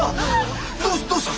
どどうした！？